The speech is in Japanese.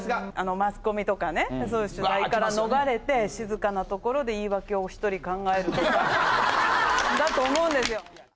マスコミとかね、そういう取材から逃れて、静かな所で言い訳を一人、考えるとか、だと思うんですよ。